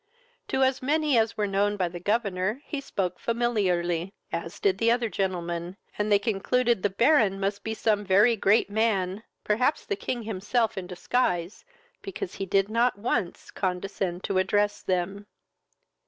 To as many as were known by the governor he spoke familiarly, as did the other gentlemen, and they concluded the Baron must be some very great man, perhaps the king himself in disguise, because he did not once condescend to address them.